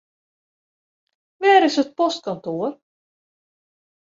Wêr is it postkantoar?